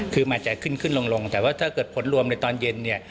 คือมันจะขึ้นขึ้นลงแต่ว่าถ้าเกิดผลรวมในตอนเย็นเนี่ย